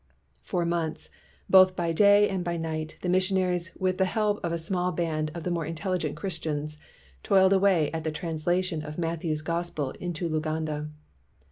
For months, both by day and by night, the missionaries with the help of a small band of the more intelligent Chris tians toiled away at the translation of Mat thew 's Gospel into Luganda.